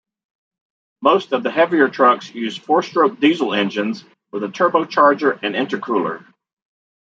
Most of the heavier trucks use four-stroke diesel engines with a turbocharger and intercooler.